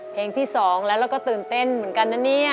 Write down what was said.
เพลงที่๒แล้วแล้วก็ตื่นเต้นเหมือนกันนะเนี่ย